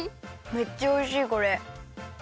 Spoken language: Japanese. めっちゃおいしいこれ！